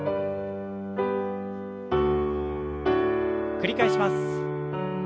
繰り返します。